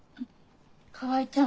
川合ちゃん